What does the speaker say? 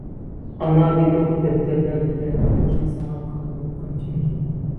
ئانا دېدۇق دەبدەبە بىلەن، لېكىن ساڭا قىلدۇق قانچىلىك.